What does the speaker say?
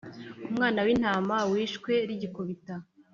Umwana wintama wishwe rugikubita